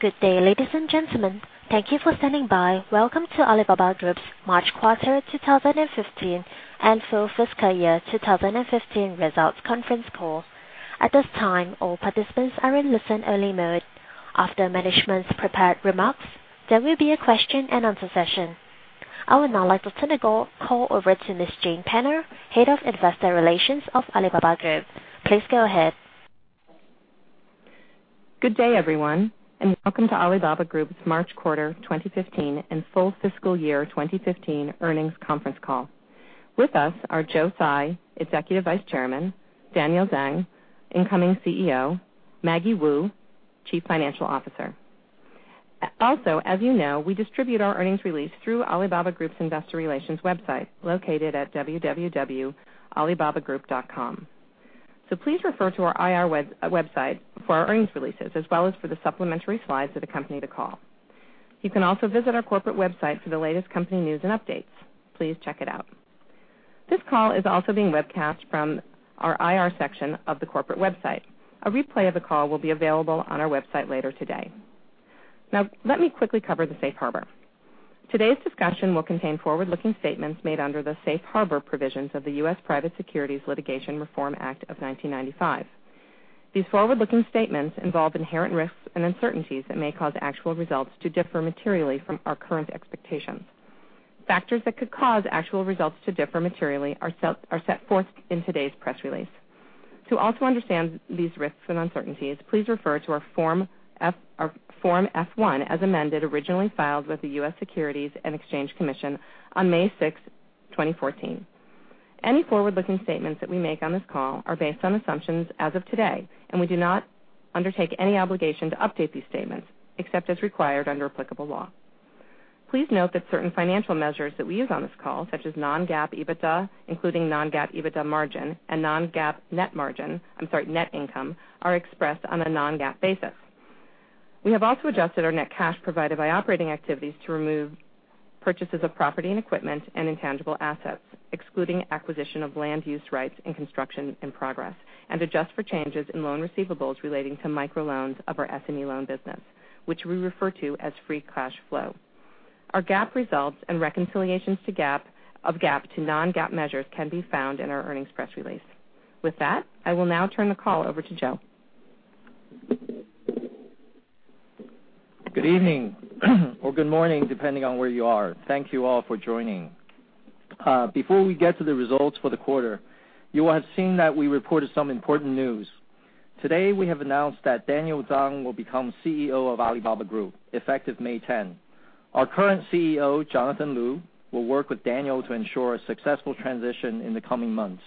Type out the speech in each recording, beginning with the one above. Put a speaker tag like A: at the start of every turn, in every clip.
A: Good day, ladies and gentlemen. Thank you for standing by. Welcome to Alibaba Group's March quarter 2015 and full fiscal year 2015 results conference call. At this time, all participants are in listen only mode. After management's prepared remarks, there will be a question and answer session. I would now like to turn the call over to Miss Jane Penner, Head of Investor Relations of Alibaba Group. Please go ahead.
B: Good day, everyone, and welcome to Alibaba Group's March quarter 2015 and full fiscal year 2015 earnings conference call. With us are Joe Tsai, Executive Vice Chairman, Daniel Zhang, incoming CEO, Maggie Wu, Chief Financial Officer. Also, as you know, we distribute our earnings release through Alibaba Group's investor relations website located at www.alibabagroup.com. Please refer to our IR website for our earnings releases as well as for the supplementary slides that accompany the call. You can also visit our corporate website for the latest company news and updates. Please check it out. This call is also being webcast from our IR section of the corporate website. A replay of the call will be available on our website later today. Let me quickly cover the safe harbor. Today's discussion will contain forward-looking statements made under the safe harbor provisions of the U.S. Private Securities Litigation Reform Act of 1995. These forward-looking statements involve inherent risks and uncertainties that may cause actual results to differ materially from our current expectations. Factors that could cause actual results to differ materially are set forth in today's press release. To also understand these risks and uncertainties, please refer to our Form F-1 as amended, originally filed with the U.S. Securities and Exchange Commission on May 6, 2014. Any forward-looking statements that we make on this call are based on assumptions as of today, and we do not undertake any obligation to update these statements except as required under applicable law. Please note that certain financial measures that we use on this call, such as non-GAAP EBITDA, including non-GAAP EBITDA margin and non-GAAP net income, are expressed on a non-GAAP basis. We have also adjusted our net cash provided by operating activities to remove purchases of property and equipment and intangible assets, excluding acquisition of land use rights and construction in progress, and adjust for changes in loan receivables relating to microloans of our SME loan business, which we refer to as free cash flow. Our GAAP results and reconciliations of GAAP to non-GAAP measures can be found in our earnings press release. I will now turn the call over to Joe.
C: Good evening or good morning, depending on where you are. Thank you all for joining. Before we get to the results for the quarter, you will have seen that we reported some important news. Today, we have announced that Daniel Zhang will become CEO of Alibaba Group effective May 10. Our current CEO, Jonathan Lu, will work with Daniel to ensure a successful transition in the coming months.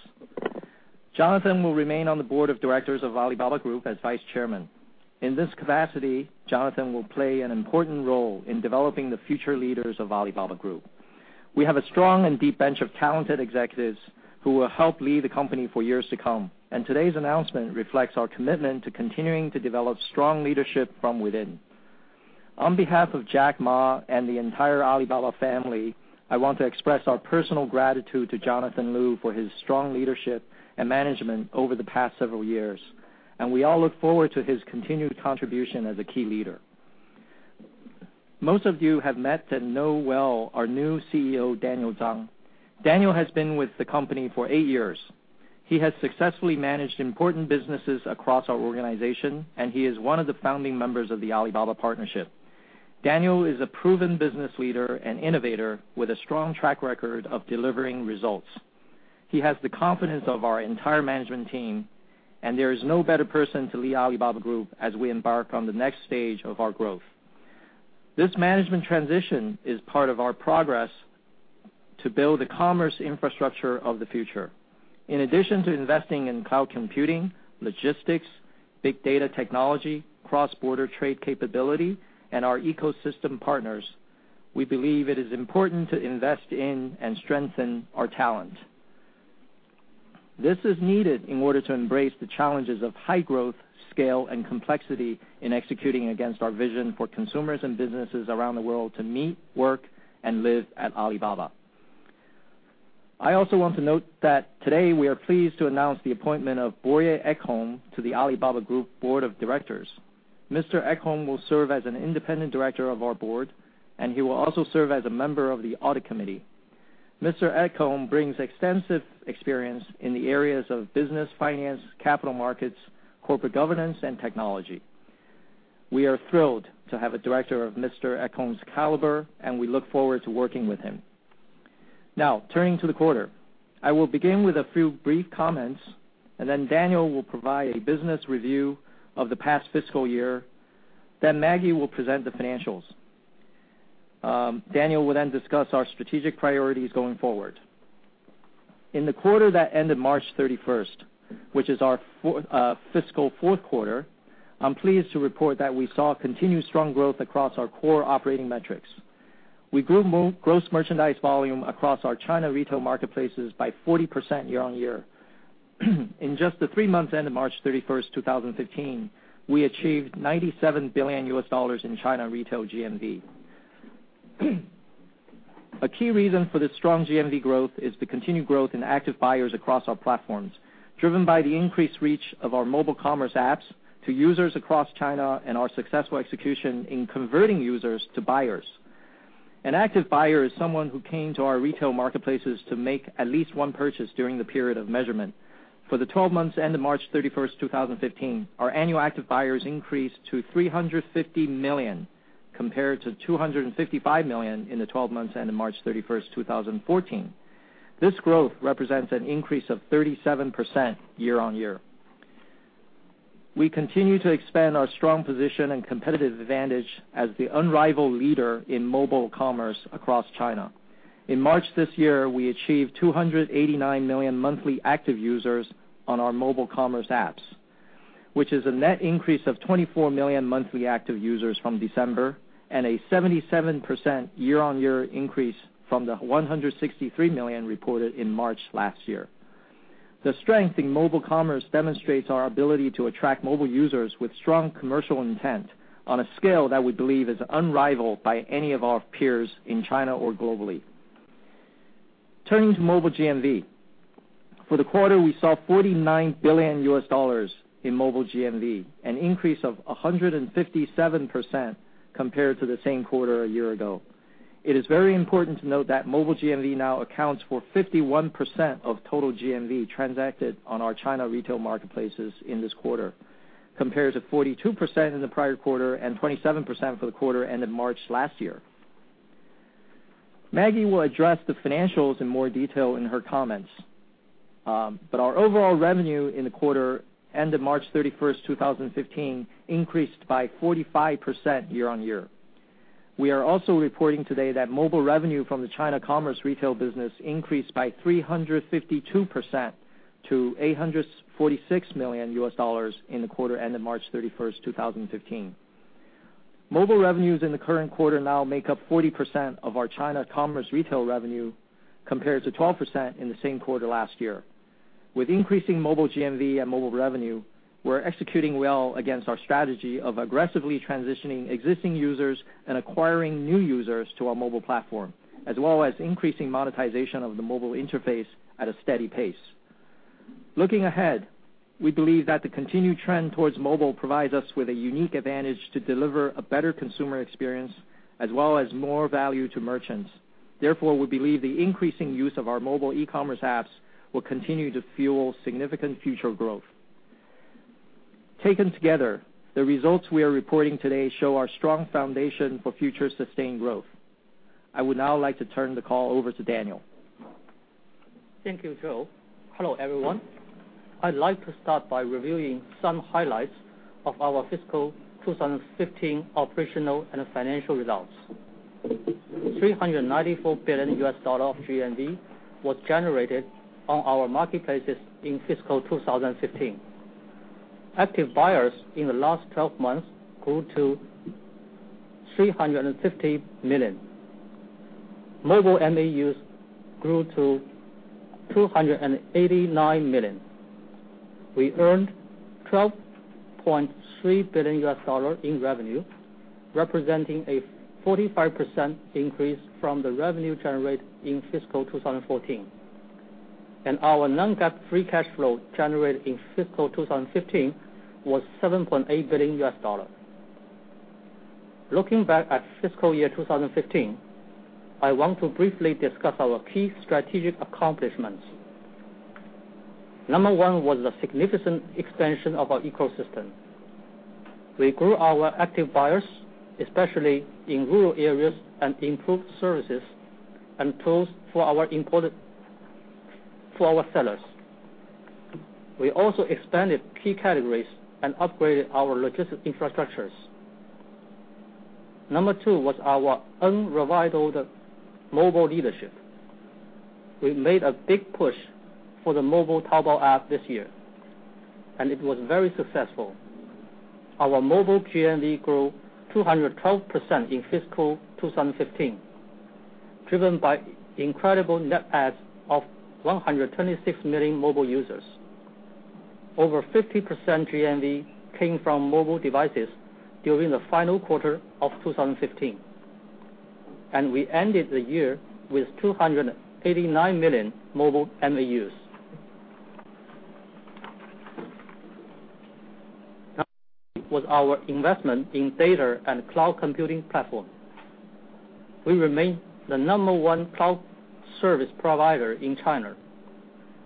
C: Jonathan will remain on the Board of Directors of Alibaba Group as Vice Chairman. In this capacity, Jonathan will play an important role in developing the future leaders of Alibaba Group. We have a strong and deep bench of talented executives who will help lead the company for years to come. Today's announcement reflects our commitment to continuing to develop strong leadership from within. On behalf of Jack Ma and the entire Alibaba family, I want to express our personal gratitude to Jonathan Lu for his strong leadership and management over the past several years. We all look forward to his continued contribution as a key leader. Most of you have met and know well our new CEO, Daniel Zhang. Daniel has been with the company for eight years. He has successfully managed important businesses across our organization. He is one of the founding members of the Alibaba Partnership. Daniel is a proven business leader and innovator with a strong track record of delivering results. He has the confidence of our entire management team. There is no better person to lead Alibaba Group as we embark on the next stage of our growth. This management transition is part of our progress to build the commerce infrastructure of the future. In addition to investing in cloud computing, logistics, big data technology, cross-border trade capability, our ecosystem partners, we believe it is important to invest in and strengthen our talent. This is needed in order to embrace the challenges of high growth, scale, and complexity in executing against our vision for consumers and businesses around the world to meet, work, and live at Alibaba. I also want to note that today we are pleased to announce the appointment of Börje Ekholm to the Alibaba Group Board of Directors. Mr. Ekholm will serve as an independent director of our board. He will also serve as a member of the Audit Committee. Mr. Ekholm brings extensive experience in the areas of business, finance, capital markets, corporate governance and technology. We are thrilled to have a director of Mr. Ekholm's caliber. We look forward to working with him. Turning to the quarter. I will begin with a few brief comments. Daniel will provide a business review of the past fiscal year. Maggie will present the financials. Daniel will then discuss our strategic priorities going forward. In the quarter that ended March 31, which is our fiscal fourth quarter, I am pleased to report that we saw continued strong growth across our core operating metrics. We grew gross merchandise volume across our China retail marketplaces by 40% year-over-year. In just the three months ended March 31, 2015, we achieved $97 billion in China retail GMV. A key reason for this strong GMV growth is the continued growth in active buyers across our platforms, driven by the increased reach of our mobile commerce apps to users across China. Our successful execution in converting users to buyers. An active buyer is someone who came to our retail marketplaces to make at least one purchase during the period of measurement. For the 12 months end of March 31, 2015, our annual active buyers increased to 350 million, compared to 255 million in the 12 months end of March 31, 2014. This growth represents an increase of 37% year-on-year. We continue to expand our strong position and competitive advantage as the unrivaled leader in mobile commerce across China. In March this year, we achieved 289 million monthly active users on our mobile commerce apps, which is a net increase of 24 million monthly active users from December and a 77% year-on-year increase from the 163 million reported in March last year. The strength in mobile commerce demonstrates our ability to attract mobile users with strong commercial intent on a scale that we believe is unrivaled by any of our peers in China or globally. Turning to mobile GMV. For the quarter, we saw $49 billion in mobile GMV, an increase of 157% compared to the same quarter a year ago. It is very important to note that mobile GMV now accounts for 51% of total GMV transacted on our China retail marketplaces in this quarter, compared to 42% in the prior quarter and 27% for the quarter end of March last year. Maggie will address the financials in more detail in her comments. Our overall revenue in the quarter end of March 31, 2015, increased by 45% year-on-year. We are also reporting today that mobile revenue from the China commerce retail business increased by 352% to $846 million in the quarter end of March 31, 2015. Mobile revenues in the current quarter now make up 40% of our China commerce retail revenue, compared to 12% in the same quarter last year. With increasing mobile GMV and mobile revenue, we're executing well against our strategy of aggressively transitioning existing users and acquiring new users to our mobile platform, as well as increasing monetization of the mobile interface at a steady pace. Looking ahead, we believe that the continued trend towards mobile provides us with a unique advantage to deliver a better consumer experience as well as more value to merchants. Therefore, we believe the increasing use of our mobile e-commerce apps will continue to fuel significant future growth. Taken together, the results we are reporting today show our strong foundation for future sustained growth. I would now like to turn the call over to Daniel.
D: Thank you, Joe. Hello, everyone. I'd like to start by reviewing some highlights of our fiscal 2015 operational and financial results. $394 billion of GMV was generated on our marketplaces in fiscal 2015. Active buyers in the last 12 months grew to 350 million. Mobile MAUs grew to 289 million. We earned RMB 12.3 billion in revenue, representing a 45% increase from the revenue generated in fiscal 2014, and our non-GAAP free cash flow generated in fiscal 2015 was RMB 7.8 billion. Looking back at fiscal year 2015, I want to briefly discuss our key strategic accomplishments. Number one was the significant expansion of our ecosystem. We grew our active buyers, especially in rural areas, and improved services and tools for our sellers. We also expanded key categories and upgraded our logistic infrastructures. Number two was our unrivaled mobile leadership. It was very successful. Our mobile GMV grew 212% in fiscal 2015, driven by incredible net adds of 126 million mobile users. Over 50% GMV came from mobile devices during the final quarter of 2015, and we ended the year with 289 million mobile MAUs. Number three was our investment in data and cloud computing platform. We remain the number one cloud service provider in China.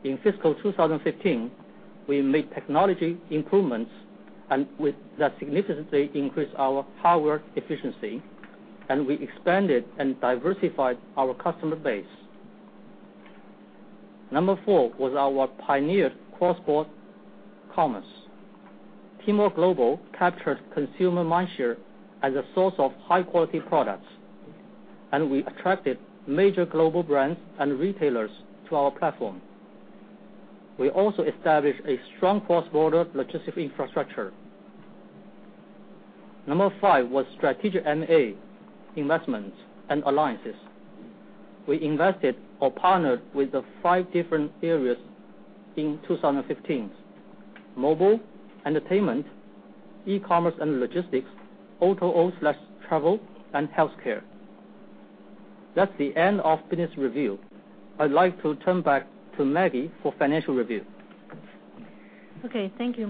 D: In fiscal 2015, we made technology improvements. With that significantly increased our power efficiency. We expanded and diversified our customer base. Number four was our pioneered cross-border commerce. Tmall Global captured consumer mindshare as a source of high-quality products, and we attracted major global brands and retailers to our platform. We also established a strong cross-border logistic infrastructure. Number five was strategic M&A investments and alliances. We invested or partnered with the five different areas in 2015, Mobile entertainment, e-commerce and logistics, auto, hotels/travel, and healthcare. That's the end of business review. I'd like to turn back to Maggie for financial review.
E: Okay, thank you,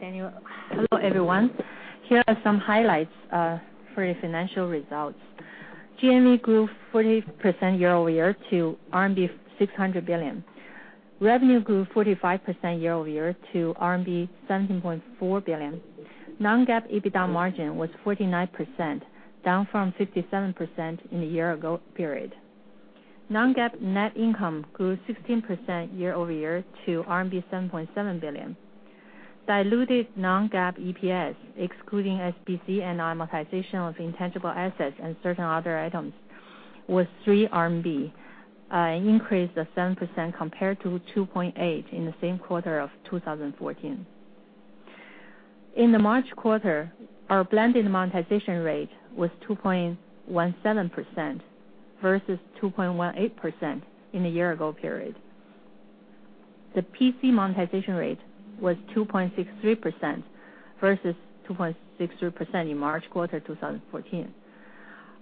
E: Daniel. Hello, everyone. Here are some highlights for the financial results. GMV grew 40% year-over-year to RMB 600 billion. Revenue grew 45% year-over-year to RMB 17.4 billion. Non-GAAP EBITDA margin was 49%, down from 57% in the year ago period. Non-GAAP net income grew 16% year-over-year to RMB 7.7 billion. Diluted non-GAAP EPS, excluding SBC and amortization of intangible assets and certain other items, was 3 RMB, an increase of 7% compared to 2.8 in the same quarter of 2014. In the March quarter, our blended monetization rate was 2.17% versus 2.18% in the year ago period. The PC monetization rate was 2.63% versus 2.62% in March quarter 2014.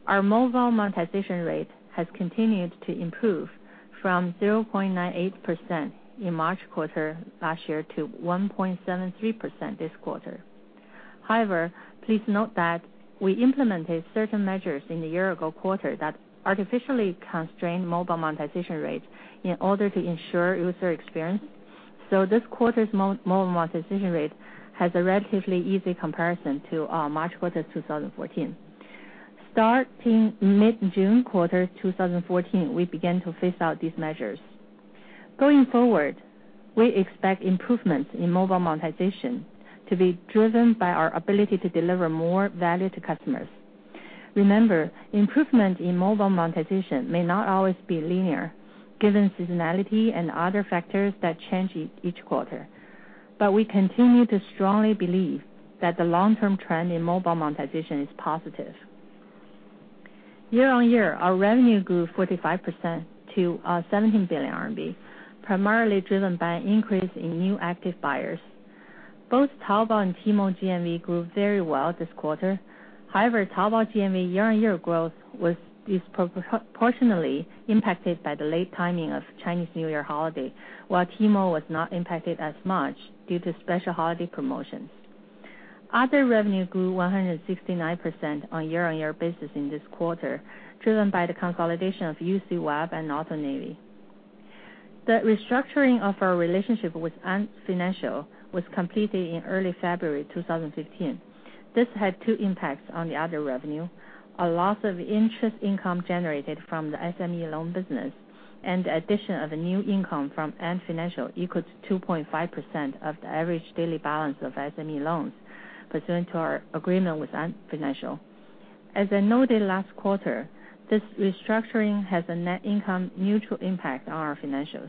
E: Our mobile monetization rate has continued to improve from 0.98% in March quarter last year to 1.73% this quarter. However, please note that we implemented certain measures in the year ago quarter that artificially constrained mobile monetization rates in order to ensure user experience. This quarter's mobile monetization rate has a relatively easy comparison to our March quarter 2014. Starting mid-June quarter 2014, we began to phase out these measures. Going forward, we expect improvements in mobile monetization to be driven by our ability to deliver more value to customers. Remember, improvement in mobile monetization may not always be linear, given seasonality and other factors that change each quarter. We continue to strongly believe that the long-term trend in mobile monetization is positive. Year-on-year, our revenue grew 45% to 17 billion RMB, primarily driven by an increase in new active buyers. Both Taobao and Tmall GMV grew very well this quarter. Taobao GMV year-on-year growth was disproportionately impacted by the late timing of Chinese New Year holiday, while Tmall was not impacted as much due to special holiday promotions. Other revenue grew 169% on year-on-year basis in this quarter, driven by the consolidation of UCWeb and AutoNavi. The restructuring of our relationship with Ant Financial was completed in early February 2015. This had two impacts on the other revenue. A loss of interest income generated from the SME loan business, and the addition of a new income from Ant Financial equal to 2.5% of the average daily balance of SME loans pursuant to our agreement with Ant Financial. As I noted last quarter, this restructuring has a net income neutral impact on our financials.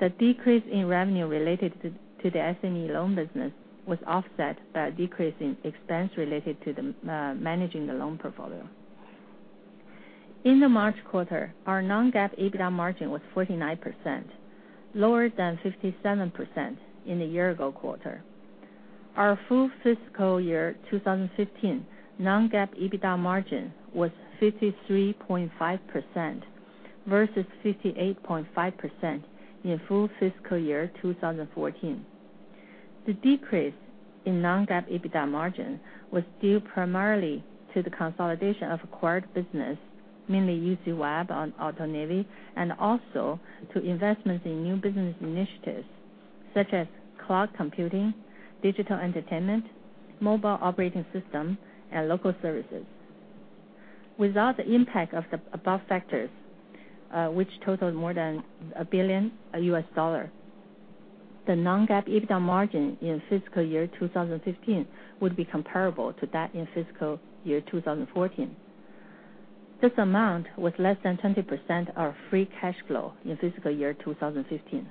E: The decrease in revenue related to the SME loan business was offset by a decrease in expense related to managing the loan portfolio. In the March quarter, our non-GAAP EBITDA margin was 49%, lower than 57% in the year ago quarter. Our full fiscal year 2015 non-GAAP EBITDA margin was 53.5% versus 58.5% in full fiscal year 2014. The decrease in non-GAAP EBITDA margin was due primarily to the consolidation of acquired business, mainly UCWeb and AutoNavi, and also to investments in new business initiatives such as cloud computing, digital entertainment, mobile operating system, and local services. Without the impact of the above factors, which totaled more than $1 billion, the non-GAAP EBITDA margin in fiscal year 2015 would be comparable to that in fiscal year 2014. This amount was less than 20% our free cash flow in fiscal year 2015.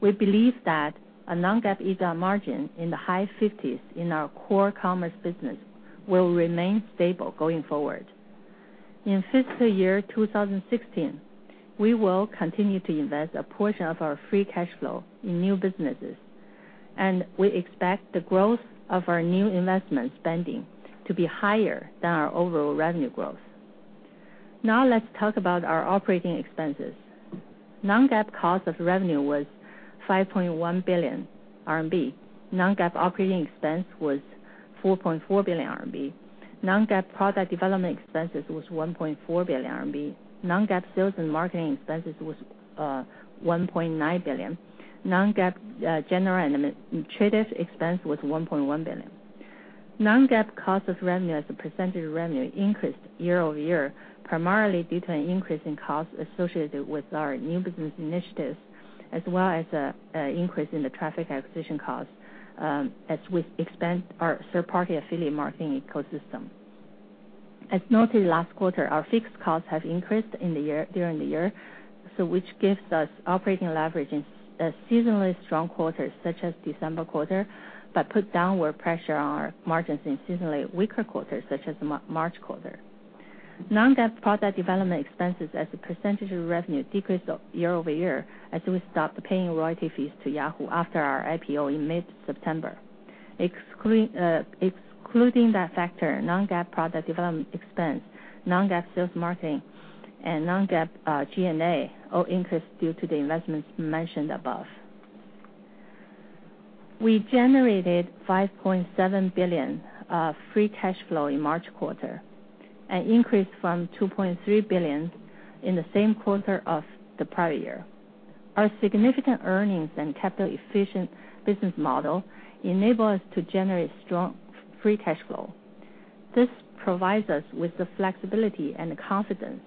E: We believe that a non-GAAP EBITDA margin in the high 50s in our core commerce business will remain stable going forward. In fiscal year 2016, we will continue to invest a portion of our free cash flow in new businesses. We expect the growth of our new investment spending to be higher than our overall revenue growth. Let's talk about our operating expenses. Non-GAAP cost of revenue was 5.1 billion RMB. Non-GAAP operating expense was 4.4 billion RMB. Non-GAAP product development expenses was 1.4 billion RMB. Non-GAAP sales and marketing expenses was 1.9 billion. Non-GAAP general and administrative expense was 1.1 billion. Non-GAAP cost of revenue as a percentage of revenue increased year-over-year, primarily due to an increase in costs associated with our new business initiatives, as well as an increase in the traffic acquisition costs as we expand our third-party affiliate marketing ecosystem. As noted last quarter, our fixed costs have increased during the year, which gives us operating leverage in a seasonally strong quarter such as December quarter, but put downward pressure on our margins in seasonally weaker quarters such as the March quarter. non-GAAP product development expenses as a percentage of revenue decreased year-over-year as we stopped paying royalty fees to Yahoo after our IPO in mid-September. Excluding that factor, non-GAAP product development expense, non-GAAP sales marketing, and non-GAAP G&A, all increased due to the investments mentioned above. We generated 5.7 billion of free cash flow in March quarter, an increase from 2.3 billion in the same quarter of the prior year. Our significant earnings and capital-efficient business model enable us to generate strong free cash flow. This provides us with the flexibility and the confidence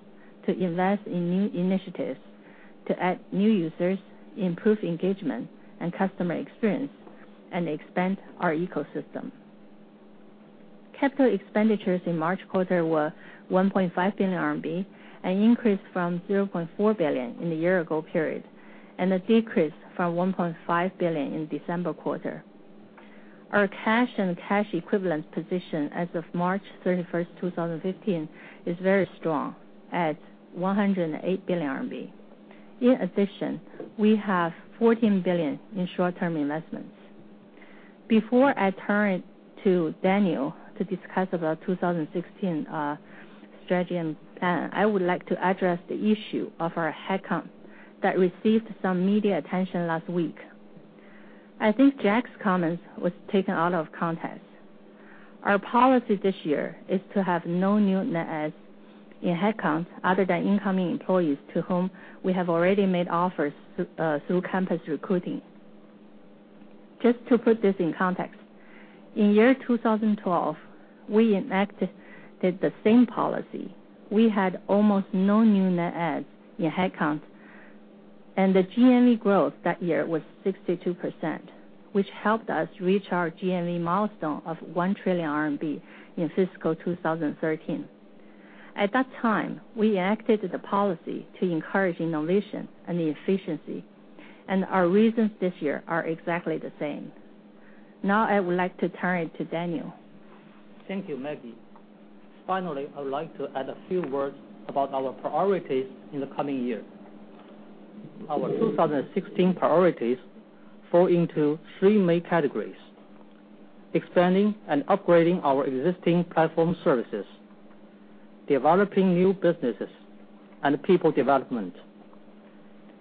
E: to invest in new initiatives to add new users, improve engagement and customer experience, and expand our ecosystem. Capital expenditures in March quarter were 1.5 billion RMB, an increase from 0.4 billion in the year ago period, and a decrease from 1.5 billion in December quarter. Our cash and cash equivalents position as of March 31st, 2015, is very strong at 108 billion RMB. In addition, we have 14 billion in short-term investments. Before I turn to Daniel to discuss about 2016 strategy and plan, I would like to address the issue of our headcount that received some media attention last week. I think Jack's comments was taken out of context. Our policy this year is to have no new net adds in headcount other than incoming employees to whom we have already made offers through campus recruiting. Just to put this in context, in year 2012, we enacted the same policy. We had almost no new net adds in headcount, and the GMV growth that year was 62%, which helped us reach our GMV milestone of 1 trillion RMB in fiscal 2013. At that time, we enacted the policy to encourage innovation and efficiency, and our reasons this year are exactly the same. Now I would like to turn to Daniel.
D: Thank you, Maggie. Finally, I would like to add a few words about our priorities in the coming year. Our 2016 priorities fall into 3 main categories: expanding and upgrading our existing platform services, developing new businesses, and people development.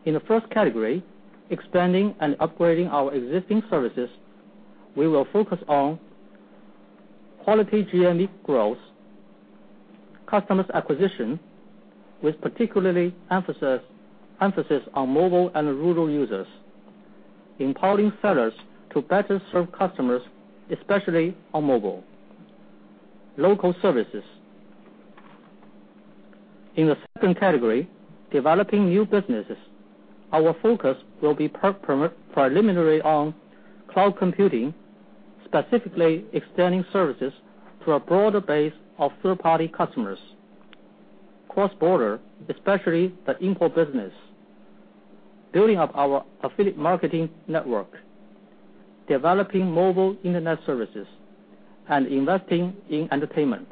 D: In the first category, expanding and upgrading our existing services, we will focus on quality GMV growth, customers acquisition, with particular emphasis on mobile and rural users, empowering sellers to better serve customers, especially on mobile, local services. In the second category, developing new businesses, our focus will be preliminary on cloud computing, specifically extending services to a broader base of third-party customers, cross-border, especially the import business, building up our affiliate marketing network, developing mobile Internet services, and investing in entertainment.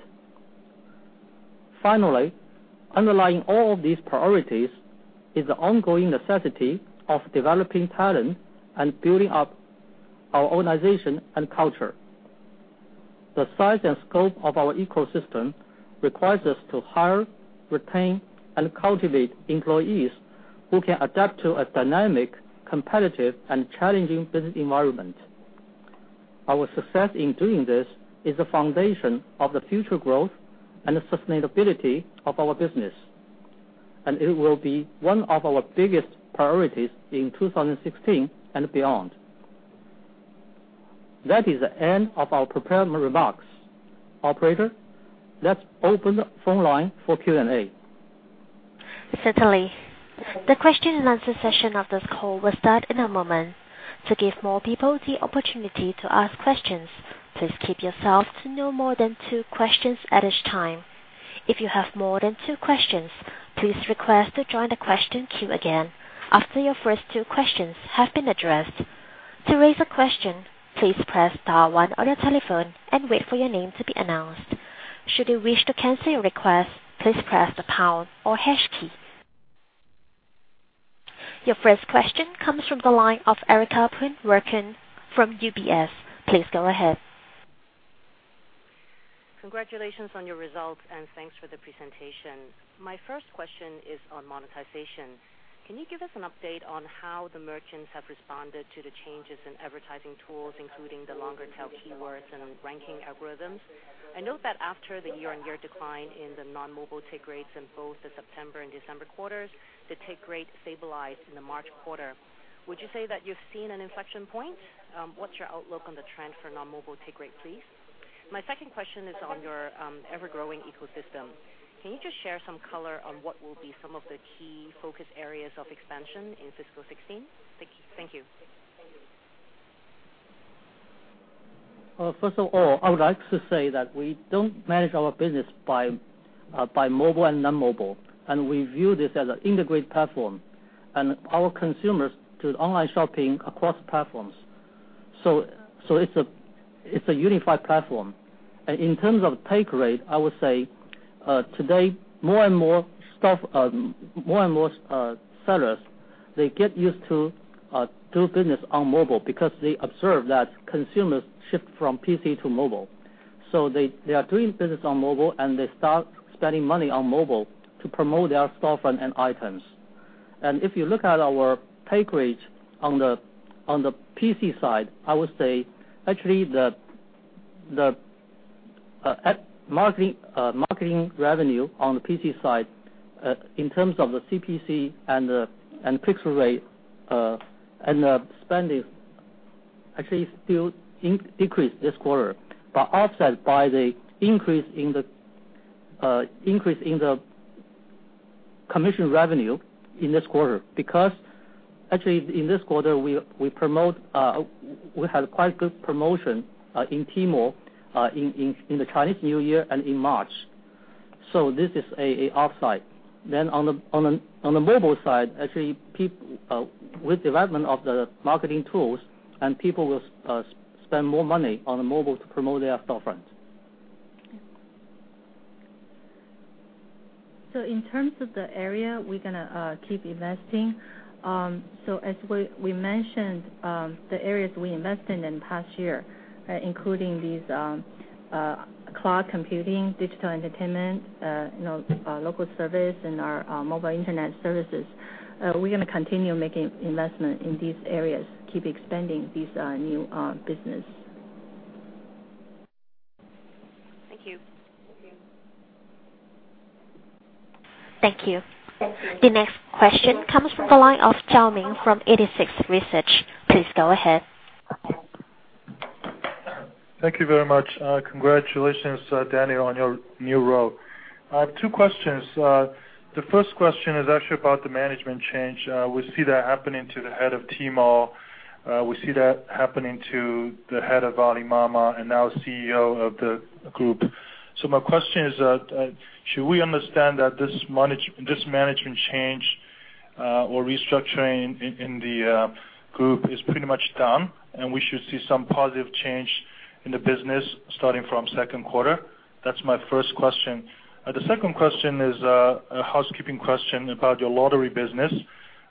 D: Finally, underlying all of these priorities is the ongoing necessity of developing talent and building up our organization and culture. The size and scope of our ecosystem requires us to hire, retain, and cultivate employees who can adapt to a dynamic, competitive, and challenging business environment. Our success in doing this is the foundation of the future growth and sustainability of our business, and it will be one of our biggest priorities in 2016 and beyond. That is the end of our prepared remarks. Operator, let's open the phone line for Q&A.
A: Certainly. The question and answer session of this call will start in a moment. To give more people the opportunity to ask questions, please keep yourselves to no more than two questions at a time. If you have more than two questions, please request to join the question queue again after your first two questions have been addressed. To raise a question, please press star one on your telephone and wait for your name to be announced. Should you wish to cancel your request, please press the pound or hash key. Your first question comes from the line of Erica Poon Werkun from UBS. Please go ahead.
F: Congratulations on your results, thanks for the presentation. My first question is on monetization. Can you give us an update on how the merchants have responded to the changes in advertising tools, including the longer tail keywords and ranking algorithms? I note that after the year-on-year decline in the non-mobile take rates in both the September and December quarters, the take rate stabilized in the March quarter. Would you say that you've seen an inflection point? What's your outlook on the trend for non-mobile take rate, please? My second question is on your ever-growing ecosystem. Can you just share some color on what will be some of the key focus areas of expansion in fiscal 2016? Thank you.
D: First of all, I would like to say that we don't manage our business by mobile and non-mobile, we view this as an integrated platform, our consumers do online shopping across platforms. It's a unified platform. In terms of take rate, I would say today, more and more sellers, they get used to do business on mobile because they observe that consumers shift from PC to mobile. They are doing business on mobile, they start spending money on mobile to promote their storefront and items. If you look at our take rate on the PC side, I would say, actually, the marketing revenue on the PC side, in terms of the CPC and the click-through rate, and the spending, actually, it still decreased this quarter, offset by the increase in the commission revenue in this quarter. Actually, in this quarter, we had quite a good promotion in Tmall, in the Chinese New Year and in March. This is an offset. On the mobile side, actually, with development of the marketing tools, and people will spend more money on mobile to promote their storefronts.
E: In terms of the area we're going to keep investing, as we mentioned, the areas we invested in the past year, including these cloud computing, digital entertainment, local service, and our mobile internet services, we're going to continue making investment in these areas, keep expanding these new business.
F: Thank you.
A: Thank you.
F: Thank you.
A: The next question comes from the line of Chaoming from 86Research. Please go ahead.
G: Thank you very much. Congratulations, Daniel, on your new role. Two questions. The first question is actually about the management change. We see that happening to the head of Tmall, we see that happening to the head of Alibaba, and now CEO of the group. My question is, should we understand that this management change, or restructuring in the group, is pretty much done, and we should see some positive change in the business starting from second quarter? That's my first question. The second question is a housekeeping question about your lottery business.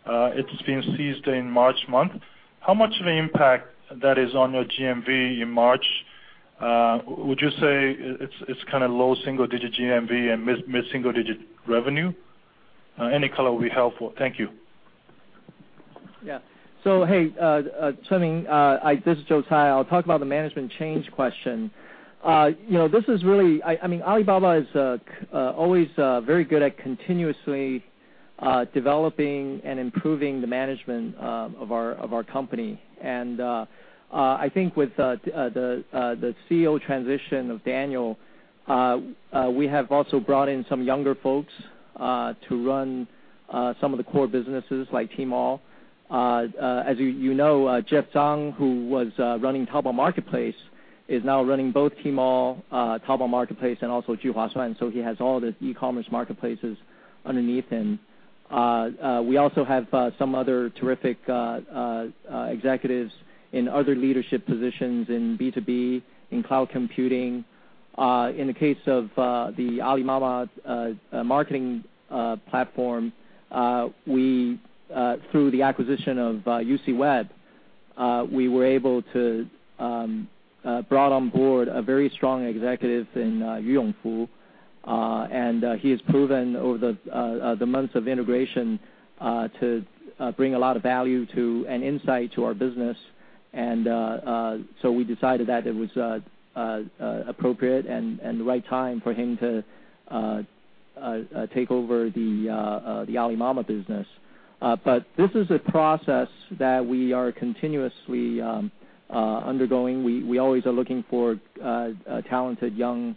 G: It's been seized in March month. How much of an impact that is on your GMV in March? Would you say it's kind of low single-digit GMV and mid-single-digit revenue? Any color would be helpful. Thank you.
C: Yeah. Hey, Chaoming, this is Joe Tsai. I'll talk about the management change question. Alibaba is always very good at continuously developing and improving the management of our company. I think with the CEO transition of Daniel, we have also brought in some younger folks to run some of the core businesses, like Tmall. As you know, Jeff Zhang, who was running Taobao Marketplace, is now running both Tmall, Taobao Marketplace, and also Juhuasuan, so he has all the e-commerce marketplaces underneath him. We also have some other terrific executives in other leadership positions in B2B, in cloud computing. In the case of the Alibaba marketing platform, through the acquisition of UCWeb, we were able to brought on board a very strong executive in Yu Yongfu, and he has proven over the months of integration to bring a lot of value to, and insight to, our business. We decided that it was appropriate and the right time for him to take over the Alibaba business. This is a process that we are continuously undergoing. We always are looking for talented young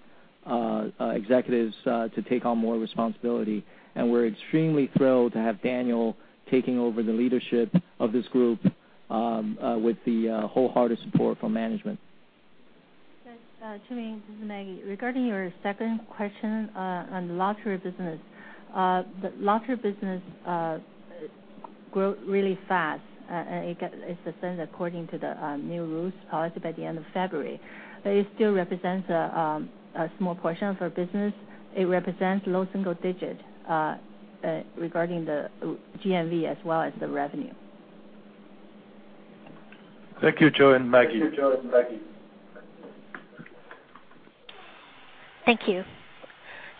C: executives to take on more responsibility. We're extremely thrilled to have Daniel taking over the leadership of this group with the wholehearted support from management.
E: Thanks, Chaoming. This is Maggie. Regarding your second question on the lottery business. The lottery business grew really fast, and it suspended according to the new rules policy by the end of February. It still represents a small portion of our business. It represents low single digit, regarding the GMV as well as the revenue.
G: Thank you, Joe and Maggie.
A: Thank you.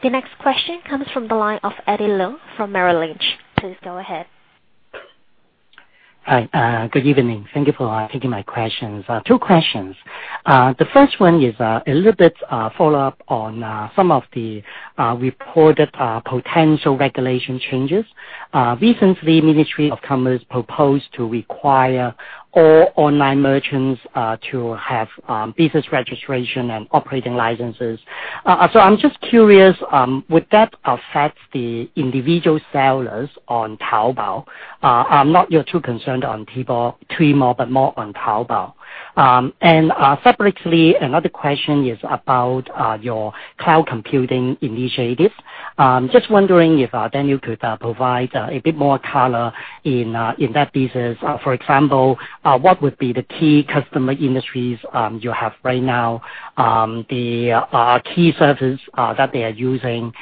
A: The next question comes from the line of Eddie Leung from Merrill Lynch. Please go ahead.
H: Hi. Good evening. Thank you for taking my questions. Two questions. The first one is a little bit follow-up on some of the reported potential regulation changes. Recently, Ministry of Commerce proposed to require all online merchants to have business registration and operating licenses. I'm just curious, would that affect the individual sellers on Taobao? I'm not too concerned on Tmall, but more on Taobao. Separately, another question is about your cloud computing initiatives. Just wondering if Daniel could provide a bit more color in that business. For example, what would be the key customer industries you have right now, the key services that they are using?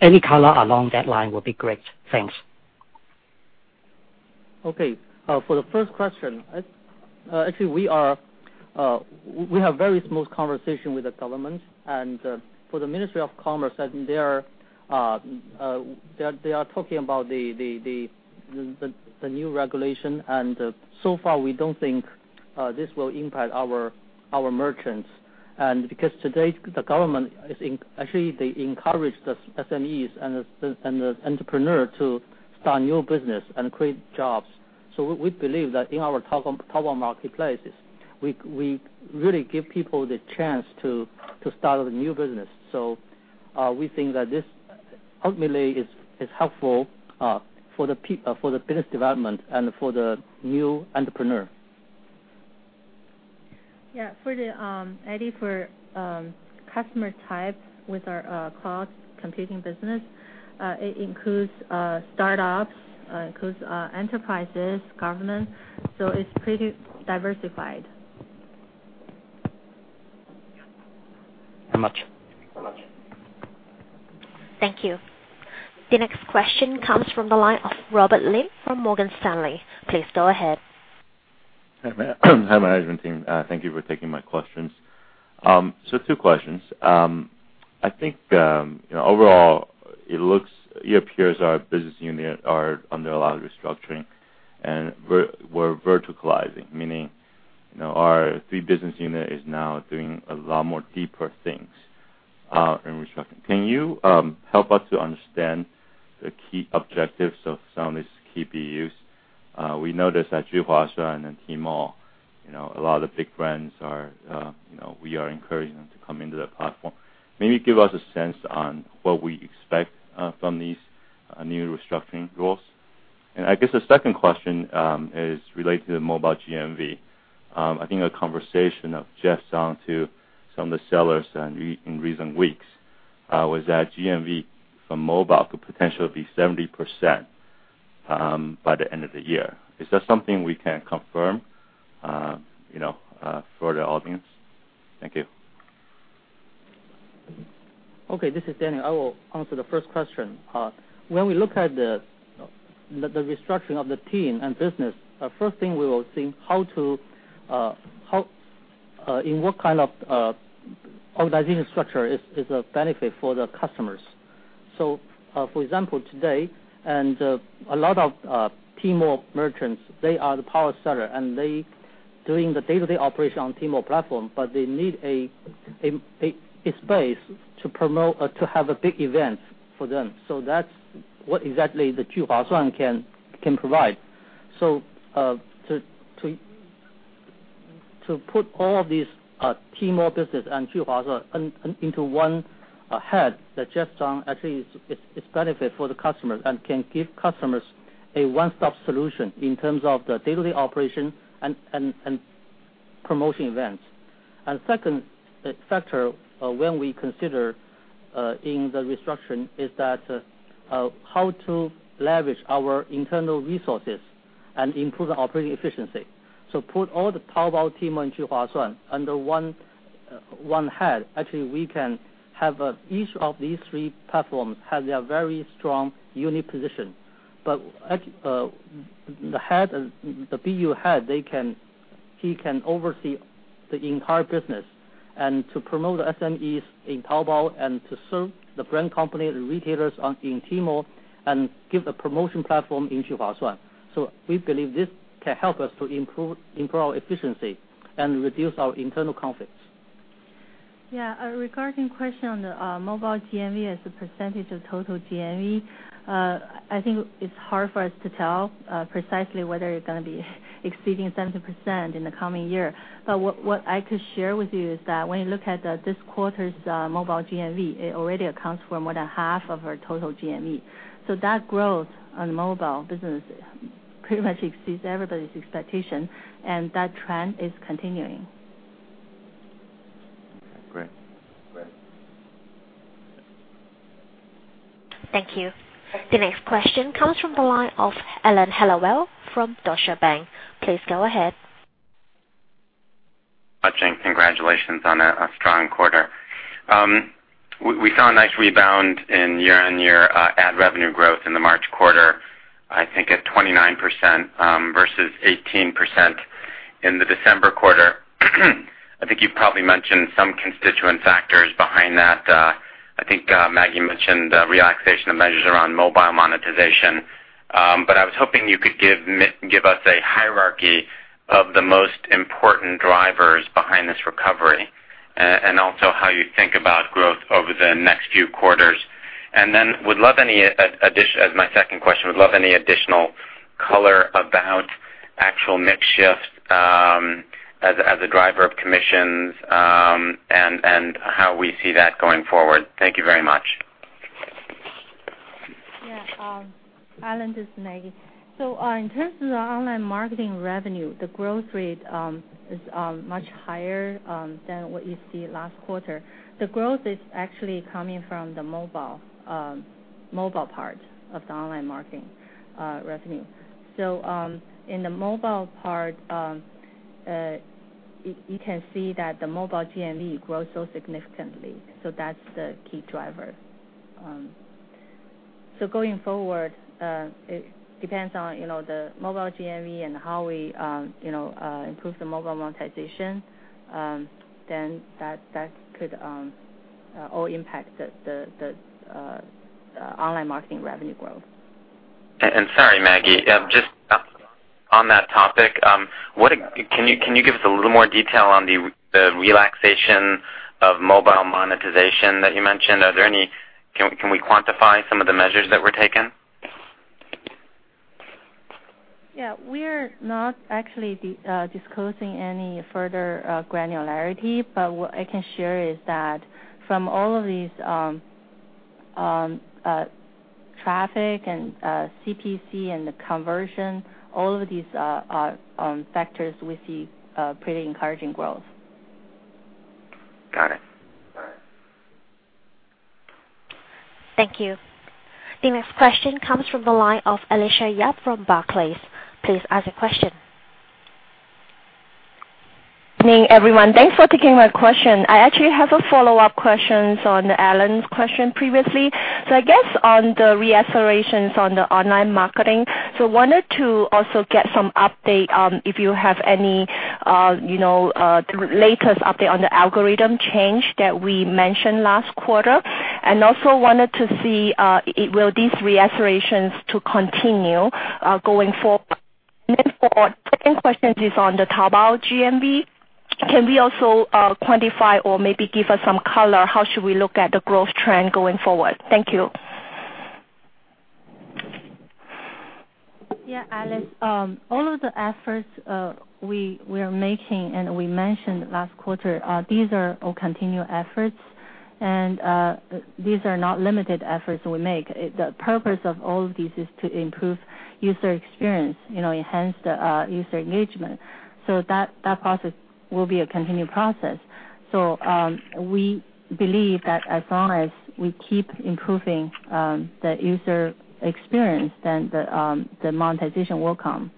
H: Any color along that line would be great. Thanks.
D: Okay. For the first question, actually, we have very smooth conversation with the government. For the Ministry of Commerce, they are talking about the new regulation, so far, we don't think this will impact our merchants. Because today, the government, actually, they encourage the SMEs and the entrepreneur to start new business and create jobs. We believe that in our Taobao marketplaces, we really give people the chance to start a new business. We think that this ultimately is helpful for the business development and for the new entrepreneur.
E: Yeah. Eddie, for customer type with our cloud computing business, it includes startups, it includes enterprises, government, it's pretty diversified.
D: Thank much.
A: Thank you. The next question comes from the line of Robert Lin from Morgan Stanley. Please go ahead.
I: Hi, management team. Thank you for taking my questions. Two questions. I think, overall, it appears our business unit are under a lot of restructuring, and we're verticalizing, meaning our three business unit is now doing a lot more deeper things in restructuring. Can you help us to understand the key objectives of some of these key BUs? We noticed that Juhuasuan and Tmall, a lot of big brands, we are encouraging them to come into the platform. Maybe give us a sense on what we expect from these new restructuring goals. I guess the second question is related to mobile GMV. I think a conversation of Jeff Zhang to some of the sellers in recent weeks was that GMV from mobile could potentially be 70% by the end of the year. Is that something we can confirm for the audience? Thank you.
D: Okay, this is Danny. I will answer the first question. When we look at the restructuring of the team and business, first thing we will think, in what kind of organizational structure is a benefit for the customers. For example, today, a lot of Tmall merchants, they are the power seller, and they doing the day-to-day operation on Tmall platform, but they need a space to have a big event for them. That's what exactly the Juhuasuan can provide. To put all of these Tmall business and Juhuasuan into one head, that Jeff Zhang, actually it's benefit for the customers and can give customers a one-stop solution in terms of the day-to-day operation and promotion events. Second factor when we consider in the restructuring is that how to leverage our internal resources and improve the operating efficiency. Put all the Taobao, Tmall, and Juhuasuan under one head. Actually, we can have each of these three platforms have their very strong unique position. The BU head, he can oversee the entire business, and to promote the SMEs in Taobao and to serve the brand company, the retailers in Tmall, and give the promotion platform in Juhuasuan. We believe this can help us to improve our efficiency and reduce our internal conflicts.
E: Yeah. Regarding question on the mobile GMV as a percentage of total GMV, I think it's hard for us to tell precisely whether it's gonna be exceeding 70% in the coming year. What I could share with you is that when you look at this quarter's mobile GMV, it already accounts for more than half of our total GMV. That growth on mobile business pretty much exceeds everybody's expectation, and that trend is continuing.
I: Okay, great.
A: Thank you. The next question comes from the line of Alan Hellawell from Deutsche Bank. Please go ahead.
J: Hi, Zhang. Congratulations on a strong quarter. We saw a nice rebound in year-on-year ad revenue growth in the March quarter, I think at 29% versus 18% in the December quarter. I think you've probably mentioned some constituent factors behind that. I think Maggie mentioned the relaxation of measures around mobile monetization. I was hoping you could give us a hierarchy of the most important drivers behind this recovery, and also how you think about growth over the next few quarters. As my second question, would love any additional color about actual mix shift as a driver of commissions, and how we see that going forward. Thank you very much.
E: Yeah. Alan, this is Maggie. In terms of the online marketing revenue, the growth rate is much higher than what you see last quarter. The growth is actually coming from the mobile part of the online marketing revenue. In the mobile part, you can see that the mobile GMV grows so significantly. That's the key driver. Going forward, it depends on the mobile GMV and how we improve the mobile monetization, then that could all impact the online marketing revenue growth.
J: Sorry, Maggie. Just on that topic, can you give us a little more detail on the relaxation of mobile monetization that you mentioned? Can we quantify some of the measures that were taken?
E: Yeah. We're not actually disclosing any further granularity, but what I can share is that from all of these traffic, and CPC, and the conversion, all of these are factors we see pretty encouraging growth.
J: Got it. All right.
A: Thank you. The next question comes from the line of Alicia Yap from Barclays. Please ask your question.
E: Good morning, everyone. Thanks for taking my question. I actually have a follow-up question on Alan's question previously. I guess on the re-accelerations on the online marketing, wanted to also get some update, if you have any latest update on the algorithm change that we mentioned last quarter, and also wanted to see will these re-accelerations to continue going forward? For second question is on the Taobao GMV. Can we also quantify or maybe give us some color, how should we look at the growth trend going forward? Thank you. Yeah, Alice. All of the efforts we are making, we mentioned last quarter, these are all continued efforts, these are not limited efforts we make. The purpose of all of this is to improve user experience, enhance the user engagement. That process will be a continued process. We believe that as long as we keep improving the user experience, then the monetization will come.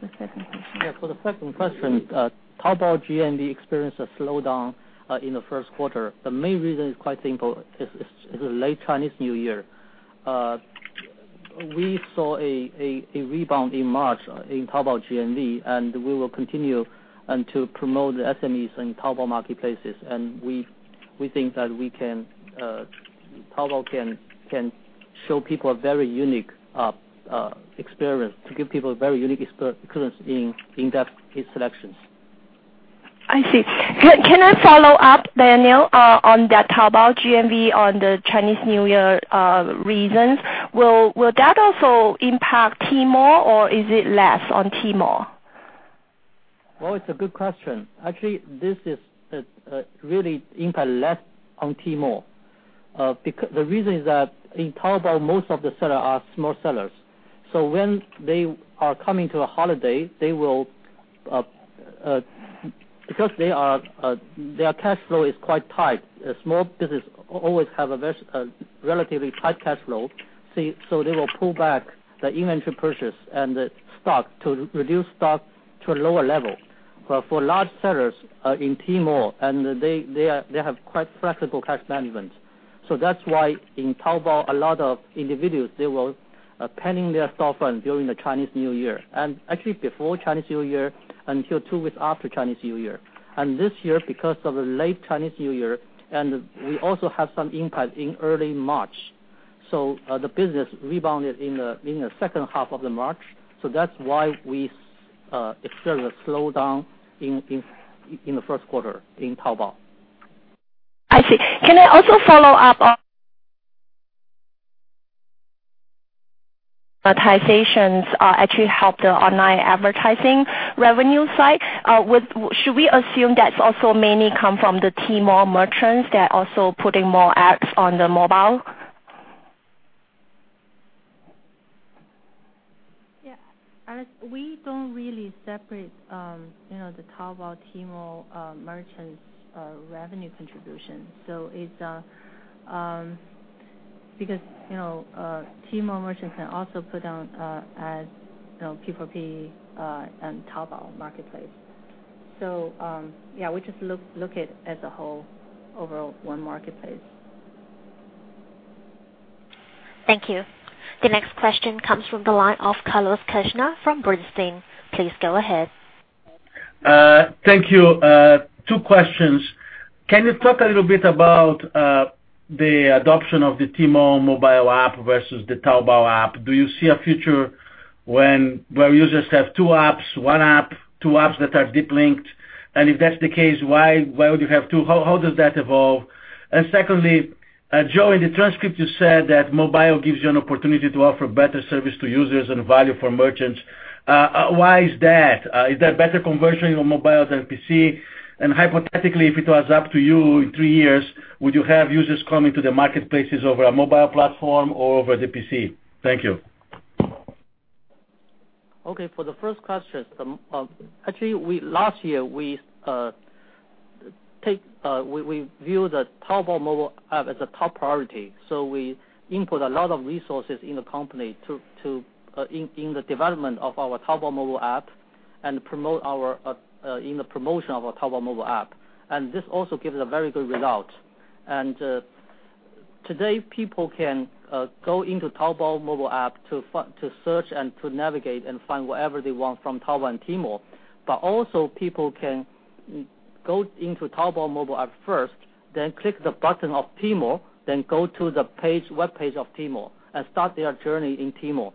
E: The second question.
D: Yeah, for the second question, Taobao GMV experienced a slowdown in the first quarter. The main reason is quite simple, is a late Chinese New Year. We saw a rebound in March in Taobao GMV, we will continue to promote the SMEs in Taobao marketplaces, we think that Taobao can show people a very unique experience, to give people a very unique experience in-depth selections.
K: I see. Can I follow up, Daniel, on that Taobao GMV on the Chinese New Year reasons? Will that also impact Tmall, or is it less on Tmall?
D: Well, it's a good question. Actually, this really impact less on Tmall. The reason is that in Taobao, most of the seller are small sellers. When they are coming to a holiday, because their cash flow is quite tight, small business always have a relatively tight cash flow, they will pull back the inventory purchase and the stock to reduce stock to a lower level. For large sellers in Tmall, and they have quite flexible cash management. That's why in Taobao, a lot of individuals, they were planning their storefront during the Chinese New Year. Actually before Chinese New Year until two weeks after Chinese New Year. This year, because of the late Chinese New Year, we also have some impact in early March. The business rebounded in the second half of the March, so that's why we experienced a slowdown in the first quarter in Taobao.
K: I see. Can I also follow up on Monetizations actually help the online advertising revenue side. Should we assume that also mainly come from the Tmall merchants that also putting more ads on the mobile?
E: Yeah. Alice, we don't really separate the Taobao, Tmall merchants revenue contribution. Tmall merchants can also put down ads, P4P, on Taobao Marketplace. Yeah, we just look it as a whole, overall, one marketplace.
A: Thank you. The next question comes from the line of Carlos Kirjner from Bernstein. Please go ahead.
L: Thank you. Two questions. Can you talk a little bit about the adoption of the Tmall mobile app versus the Taobao app? Do you see a future where users have two apps, one app, two apps that are deep linked? If that's the case, why would you have two? How does that evolve? Secondly, Joe, in the transcript, you said that mobile gives you an opportunity to offer better service to users and value for merchants. Why is that? Is there better conversion in mobile than PC? Hypothetically, if it was up to you, in three years, would you have users coming to the marketplaces over a mobile platform or over the PC? Thank you.
D: Okay, for the first question, actually, last year, we viewed the Taobao mobile app as a top priority. We input a lot of resources in the company in the development of our Taobao mobile app in the promotion of our Taobao mobile app. This also gives a very good result. Today, people can go into Taobao mobile app to search and to navigate and find whatever they want from Taobao and Tmall. Also people can go into Taobao mobile app first, click the button of Tmall, go to the webpage of Tmall and start their journey in Tmall.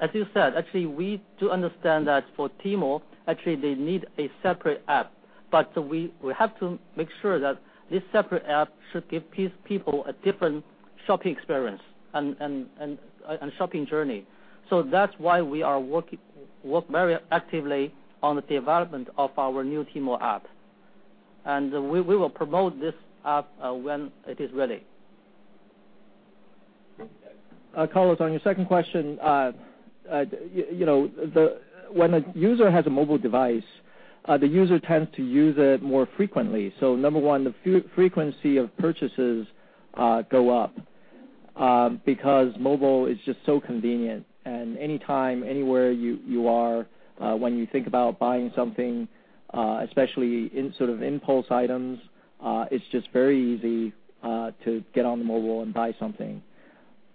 D: As you said, actually, we do understand that for Tmall, actually they need a separate app. We have to make sure that this separate app should give these people a different shopping experience and shopping journey. That's why we work very actively on the development of our new Tmall app. We will promote this app when it is ready.
C: Carlos, on your second question, when a user has a mobile device, the user tends to use it more frequently. Number one, the frequency of purchases go up, because mobile is just so convenient. Anytime, anywhere you are, when you think about buying something, especially in sort of impulse items, it's just very easy to get on the mobile and buy something.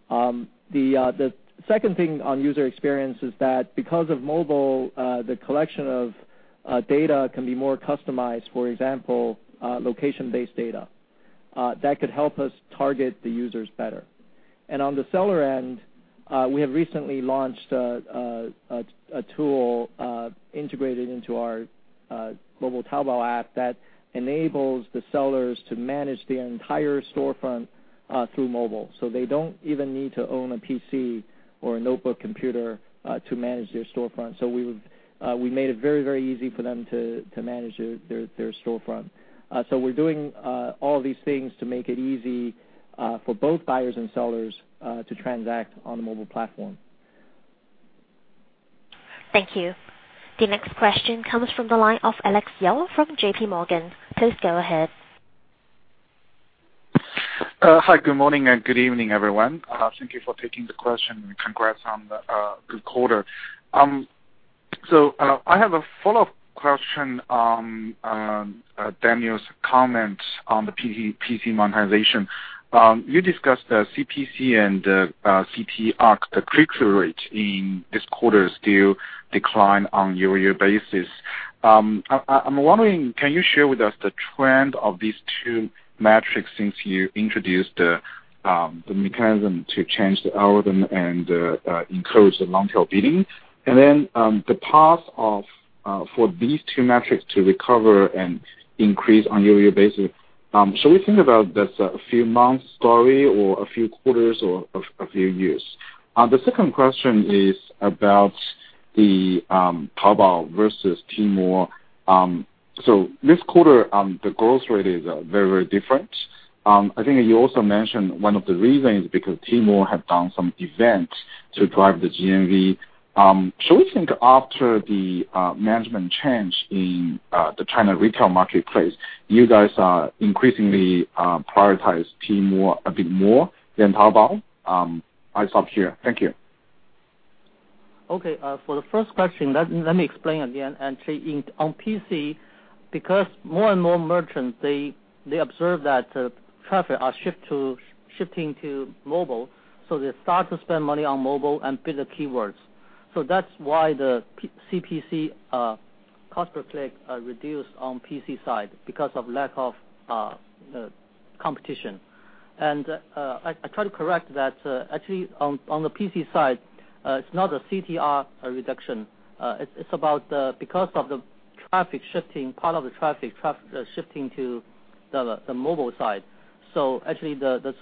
C: The second thing on user experience is that because of mobile, the collection of data can be more customized. For example, location-based data. That could help us target the users better. On the seller end, we have recently launched a tool integrated into our mobile Taobao app that enables the sellers to manage their entire storefront through mobile. They don't even need to own a PC or a notebook computer to manage their storefront. We made it very, very easy for them to manage their storefront. We're doing all these things to make it easy for both buyers and sellers to transact on the mobile platform.
A: Thank you. The next question comes from the line of Alex Yao from J.P. Morgan. Please go ahead.
M: Hi, good morning and good evening, everyone. Thank you for taking the question and congrats on the good quarter. I have a follow-up question on Daniel's comment on the PC monetization. You discussed the CPC and the CTR, the click-through rate, in this quarter still declined on a year-over-year basis. I'm wondering, can you share with us the trend of these two metrics since you introduced the mechanism to change the algorithm and encourage the long-tail bidding? Then, the path for these two metrics to recover and increase on a year-over-year basis. Should we think about this a few months' story or a few quarters or a few years? The second question is about the Taobao versus Tmall. This quarter, the growth rate is very, very different. I think you also mentioned one of the reasons because Tmall has done some events to drive the GMV. Should we think after the management change in the China Retail Marketplaces, you guys are increasingly prioritizing Tmall a bit more than Taobao? I'll stop here. Thank you.
D: For the first question, let me explain again. On PC, because more and more merchants, they observe that traffic are shifting to mobile, they start to spend money on mobile and bid the keywords. That's why the CPC, cost per click, reduced on PC side, because of lack of competition. I try to correct that. On the PC side, it's not a CTR reduction. It's because of part of the traffic shifting to the mobile side. The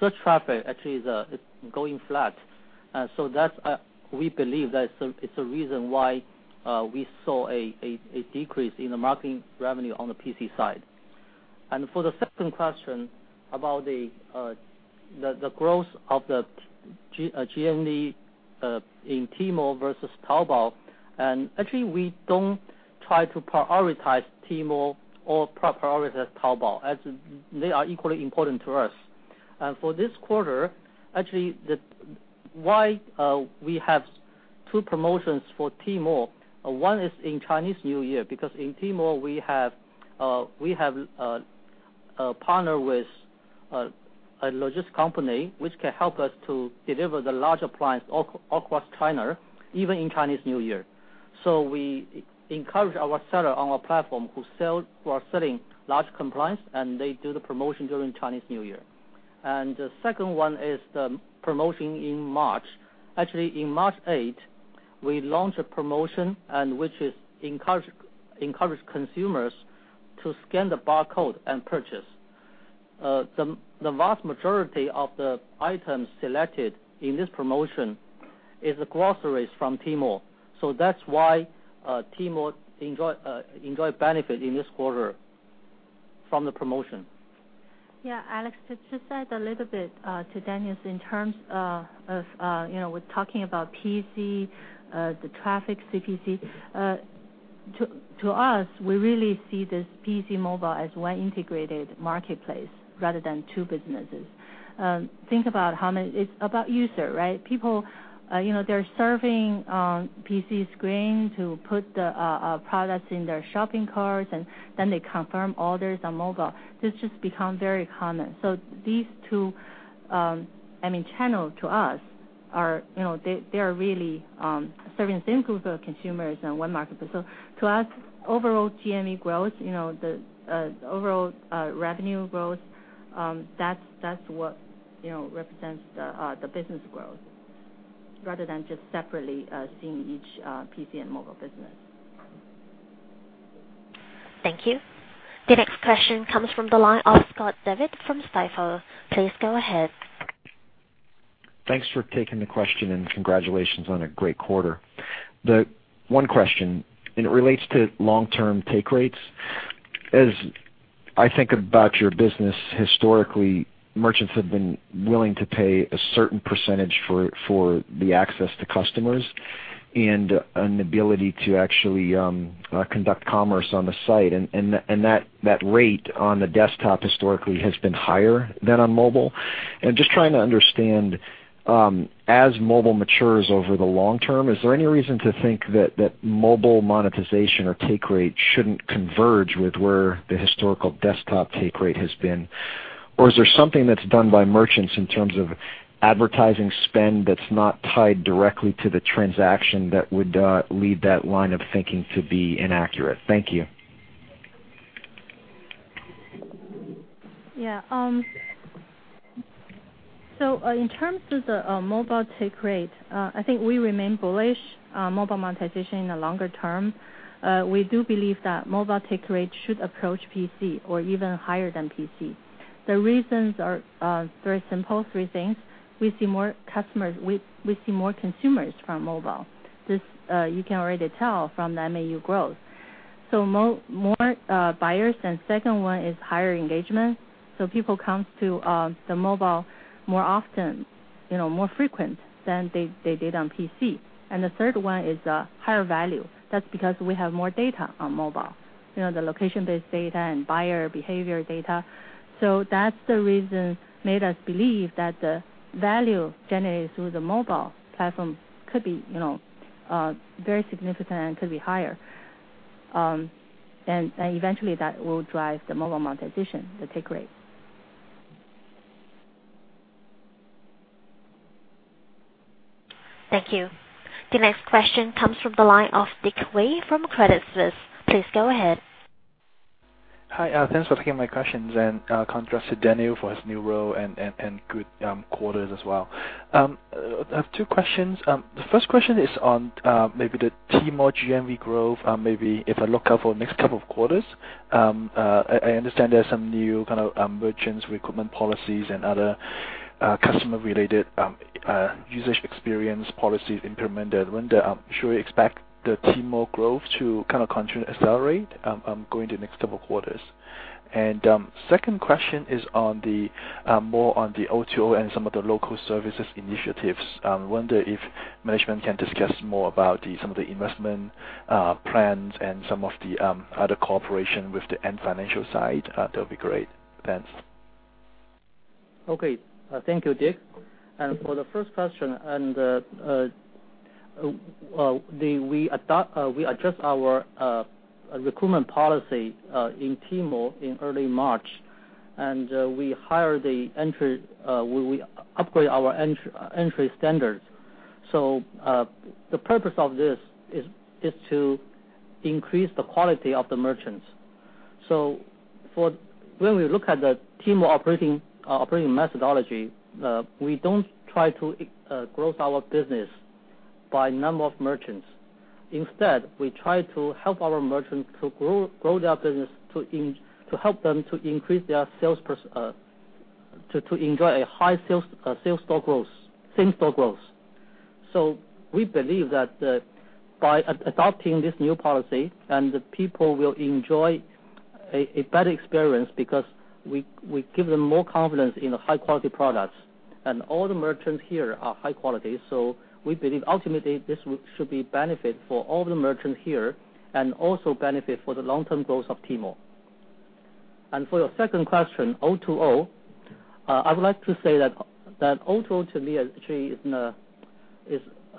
D: search traffic actually is going flat. We believe that it's a reason why we saw a decrease in the marketing revenue on the PC side. For the second question about the growth of the GMV in Tmall versus Taobao, we don't try to prioritize Tmall or prioritize Taobao, as they are equally important to us. For this quarter, why we had two promotions for Tmall. One is in Chinese New Year, because in Tmall, we have partnered with a logistics company, which can help us to deliver the large appliance across China, even in Chinese New Year. We encourage our sellers on our platform who are selling large appliance, to do the promotion during Chinese New Year. The second one is the promotion in March. In March 8th, we launched a promotion that encouraged consumers to scan the barcode and purchase. The vast majority of the items selected in this promotion are the groceries from Tmall. That's why Tmall enjoyed benefits in this quarter from the promotion.
E: Alex, to just add a little bit to Daniel's in terms of with talking about PC, the traffic CPC. To us, we really see this PC mobile as one integrated marketplace rather than two businesses. Think about how many It's about user, right? People, they're surfing on PC screen to put the products in their shopping carts, and then they confirm orders on mobile. This has just become very common. These two channels to us, they are really serving the same group of consumers in one marketplace. To us, overall GMV growth, the overall revenue growth, that's what represents the business growth rather than just separately seeing each PC and mobile business.
A: Thank you. The next question comes from the line of Scott Devitt from Stifel. Please go ahead.
N: Thanks for taking the question, congratulations on a great quarter. The one question, it relates to long-term take rates. As I think about your business historically, merchants have been willing to pay a certain % for the access to customers and an ability to actually conduct commerce on the site. That rate on the desktop historically has been higher than on mobile. Just trying to understand, as mobile matures over the long term, is there any reason to think that mobile monetization or take rate shouldn't converge with where the historical desktop take rate has been? Is there something that's done by merchants in terms of advertising spend that's not tied directly to the transaction that would lead that line of thinking to be inaccurate? Thank you.
E: In terms of the mobile take rate, I think we remain bullish on mobile monetization in the longer term. We do believe that mobile take rate should approach PC or even higher than PC. The reasons are very simple. Three things. We see more consumers from mobile. This, you can already tell from the MAU growth. More buyers, second one is higher engagement. People come to the mobile more often, more frequent than they did on PC. The third one is higher value. That's because we have more data on mobile, the location-based data and buyer behavior data. That's the reason made us believe that the value generated through the mobile platform could be very significant and could be higher. Eventually, that will drive the mobile monetization, the take rate.
A: Thank you. The next question comes from the line of Dick Wei from Credit Suisse. Please go ahead.
O: Hi. Thanks for taking my questions, and congrats to Daniel for his new role and good quarters as well. I have two questions. The first question is on maybe the Tmall GMV growth, maybe if I look out for next couple of quarters. I understand there's some new kind of merchants recruitment policies and other customer-related usage experience policies implemented. Wonder, should we expect the Tmall growth to kind of continue to accelerate going to next couple quarters? Second question is more on the O2O and some of the local services initiatives. Wonder if management can discuss more about some of the investment plans and some of the other cooperation with the Ant Financial side. That would be great. Thanks.
D: Okay. Thank you, Dick. For the first question, we adjust our recruitment policy in Tmall in early March, and we upgrade our entry standards. The purpose of this is to increase the quality of the merchants. When we look at the Tmall operating methodology, we don't try to grow our business by number of merchants. Instead, we try to help our merchants to grow their business, to help them to increase their sales, to enjoy a high same-store growth. We believe that by adopting this new policy, and people will enjoy a better experience because we give them more confidence in the high-quality products. All the merchants here are high quality. We believe ultimately, this should be benefit for all the merchants here and also benefit for the long-term growth of Tmall. For your second question, O2O, I would like to say that O2O to me actually,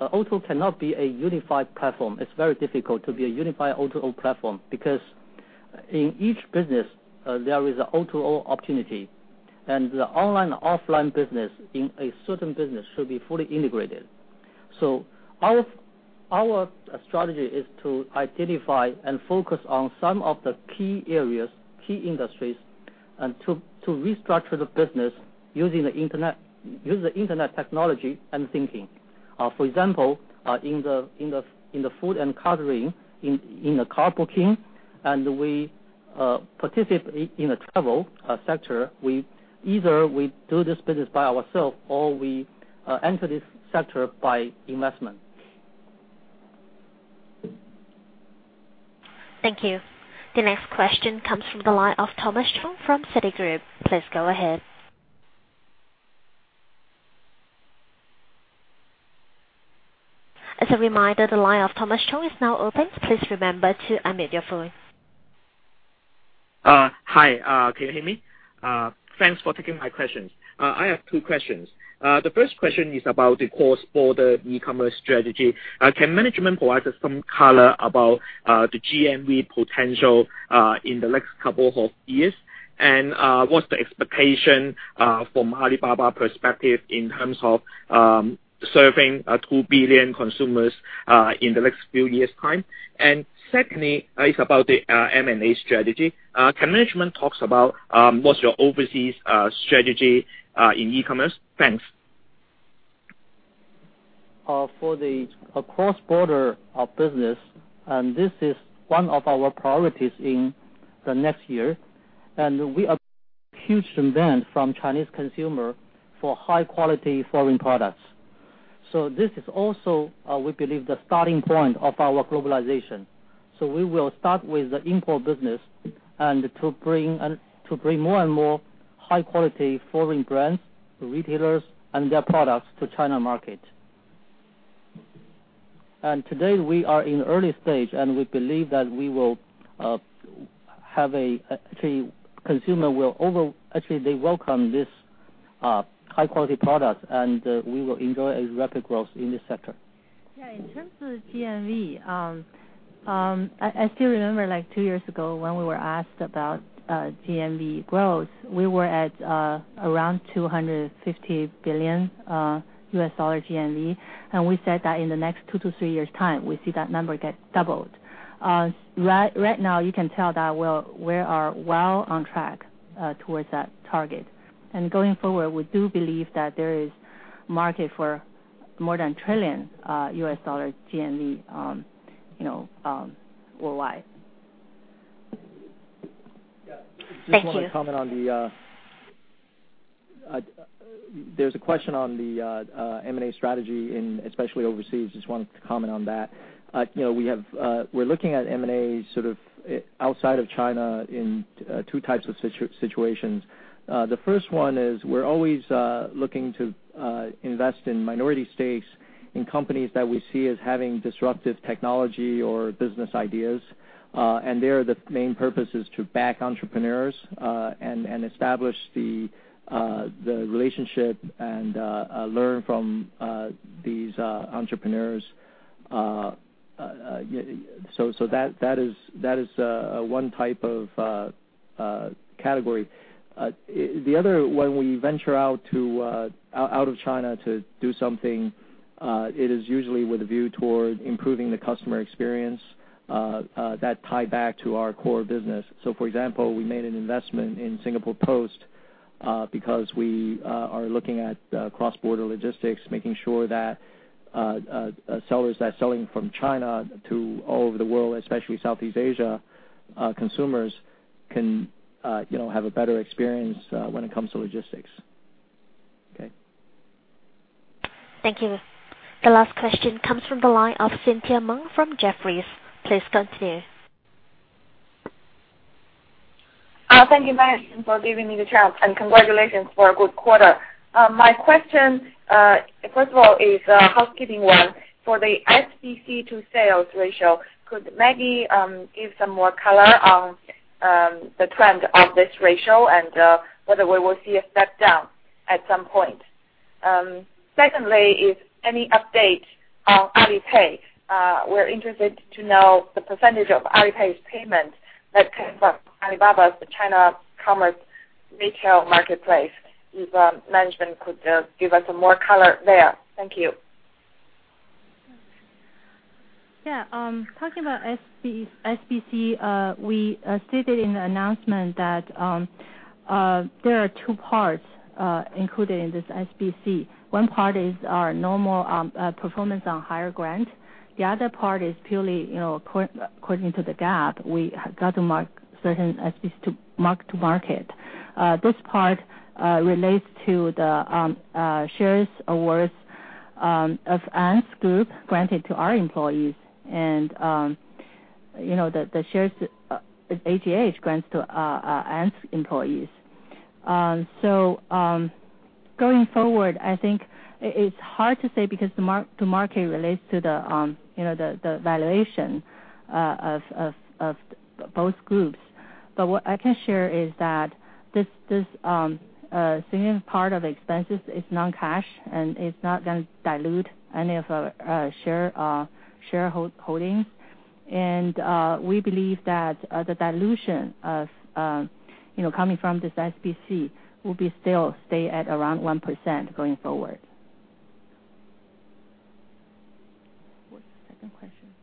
D: O2O cannot be a unified platform. It's very difficult to be a unified O2O platform because in each business, there is a O2O opportunity, and the online-offline business in a certain business should be fully integrated. Our strategy is to identify and focus on some of the key areas, key industries, and to restructure the business using the internet technology and thinking. For example, in the food and catering, in the car booking, and we participate in the travel sector, either we do this business by ourself or we enter this sector by investment.
A: Thank you. The next question comes from the line of Thomas Chong from Citigroup. Please go ahead. As a reminder, the line of Thomas Chong is now open. Please remember to unmute your phone.
P: Hi, can you hear me? Thanks for taking my questions. I have two questions. The first question is about the cross-border e-commerce strategy. Can management provide us some color about the GMV potential in the next couple of years? What's the expectation from Alibaba perspective in terms of serving two billion consumers in the next few years' time? Secondly, is about the M&A strategy. Can management talks about what's your overseas strategy in e-commerce? Thanks.
D: For the cross-border business, this is one of our priorities in the next year, we observe huge demand from Chinese consumer for high-quality foreign products. This is also, we believe, the starting point of our globalization. We will start with the import business to bring more and more high-quality foreign brands, retailers, and their products to China market. Today, we are in early stage, we believe that consumer will welcome this high-quality product, we will enjoy a rapid growth in this sector.
E: Yeah, in terms of GMV, I still remember two years ago, when we were asked about GMV growth. We were at around $250 billion USD GMV, we said that in the next two to three years' time, we see that number get doubled. Right now, you can tell that we are well on track towards that target. Going forward, we do believe that there is market for more than $1 trillion USD GMV worldwide.
P: Yeah.
A: Thank you.
C: Just want to comment. There's a question on the M&A strategy, especially overseas. Just wanted to comment on that. We're looking at M&A outside of China in 2 types of situations. The first one is we're always looking to invest in minority stakes in companies that we see as having disruptive technology or business ideas. There, the main purpose is to back entrepreneurs, establish the relationship, and learn from these entrepreneurs. That is 1 type of category. The other, when we venture out of China to do something, it is usually with a view toward improving the customer experience that tie back to our core business. For example, we made an investment in Singapore Post because we are looking at cross-border logistics, making sure that sellers that are selling from China to all over the world, especially Southeast Asia consumers, can have a better experience when it comes to logistics. Okay.
A: Thank you. The last question comes from the line of Cynthia Meng from Jefferies. Please continue.
Q: Thank you, management, for giving me the chance, and congratulations for a good quarter. My question, first of all, is a housekeeping one. For the SBC to sales ratio, could Maggie give some more color on the trend of this ratio and whether we will see a step down at some point? Secondly, is any update on Alipay. We are interested to know the percentage of Alipay's payment that came from Alibaba's China commerce retail marketplace. If management could give us more color there. Thank you.
E: Talking about SBC, we stated in the announcement that there are two parts included in this SBC. One part is our normal performance on higher grant. The other part is purely according to the GAAP, we got to mark certain assets to mark to market. This part relates to the shares awards of Ant Group granted to our employees, and the shares AGH grants to Ant employees. Going forward, I think it is hard to say because to market relates to the valuation of both groups. What I can share is that this second part of expenses is non-cash, and it is not going to dilute any of our shareholdings. We believe that the dilution coming from this SBC will be still stay at around 1% going forward. What was the second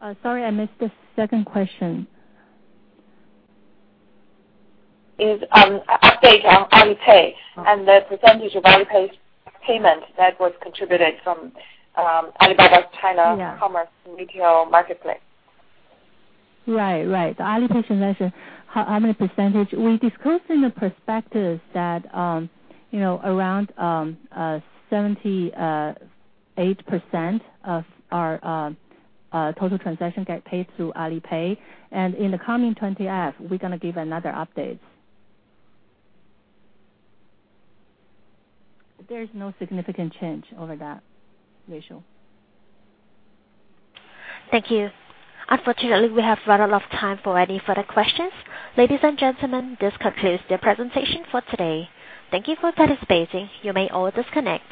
E: question? Sorry, I missed the second question.
Q: Is on update on Alipay and the percentage of Alipay's payment that was contributed from Alibaba's China-
E: Yeah
Q: commerce retail marketplace.
E: Right. The Alipay transaction, how many percentage? We discussed in the prospectus that around 78% of our total transaction get paid through Alipay. In the coming 20-F, we're going to give another update. There is no significant change over that ratio.
A: Thank you. Unfortunately, we have run out of time for any further questions. Ladies and gentlemen, this concludes the presentation for today. Thank you for participating. You may all disconnect.